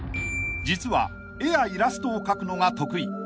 ［実は絵やイラストを描くのが得意］